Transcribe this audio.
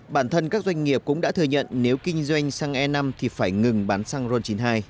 bản thân các doanh nghiệp cũng đã thừa nhận nếu kinh doanh xăng e năm thì phải ngừng bán xăng ron chín mươi hai